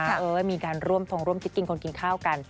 เออมีการร่วมทงร่วมคิดกินคนกินข้าวกัน